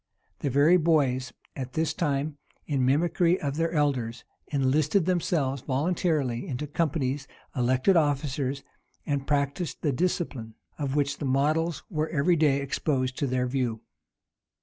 The very boys, at this time, in mimicry of their elders, enlisted themselves voluntarily into companies, elected officers, and practised the discipline, of which the models were every day exposed to their view.